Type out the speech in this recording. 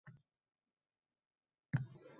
Kelmasa, yana yaxshi, dedi yonida o`tirganlardan biri